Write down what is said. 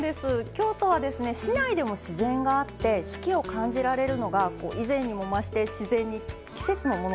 京都は市内でも自然があって四季を感じられるのが以前にも増して自然に季節のものをね